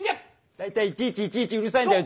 大体いちいちいちいちうるさいんだよ。